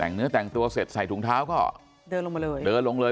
แต่งเนื้อแต่งตัวเสร็จใส่ถุงเท้าก็เดินลงมาเลยเดินลงเลย